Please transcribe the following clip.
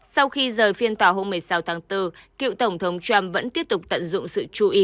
sau khi rời phiên tòa hôm một mươi sáu tháng bốn cựu tổng thống trump vẫn tiếp tục tận dụng sự chú ý